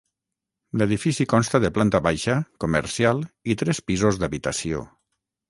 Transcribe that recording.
L'edifici consta de planta baixa, comercial, i tres pisos d'habitació.